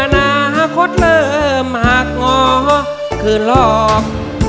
อนาคตเริ่มหักงอคือหลอก